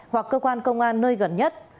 hoặc cơ quan công an nơi gần nhất